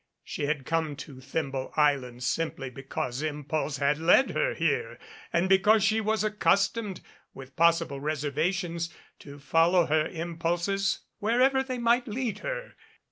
She had come to Thimble Island simply because impulse had led her here, and because she was accustomed, with possible reservations, to follow her impulses wherever they might lead her.